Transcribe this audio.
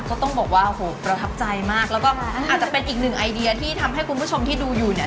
ก็ต้องบอกว่าโหประทับใจมากแล้วก็อาจจะเป็นอีกหนึ่งไอเดียที่ทำให้คุณผู้ชมที่ดูอยู่เนี่ย